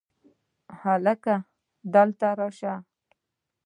هلکه! دلته راشه!